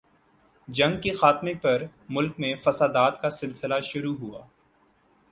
جنگ کے خاتمہ پر ملک میں فسادات کا سلسلہ شروع ہوا۔